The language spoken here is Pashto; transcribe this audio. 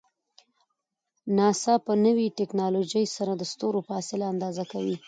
ناسا په نوی ټکنالوژۍ سره د ستورو فاصله اندازه کوي.